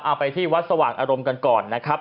ไปที่วัดสว่างอารมณ์กันก่อนนะครับ